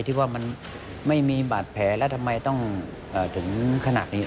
ที่ว่ามันไม่มีบาดแผลแล้วทำไมต้องถึงขนาดนี้